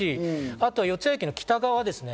あとは四ツ谷駅の北側。